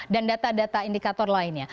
dan data data indikator lainnya